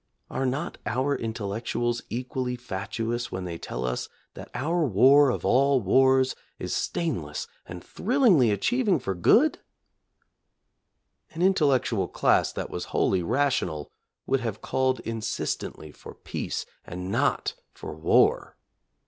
Are not our intellectuals equally fatuous when they tell us that our war of all wars is stainless and thrillingly achieving for good 4 ? An intellectual class that was wholly rational would have called insistently for peace and not for war.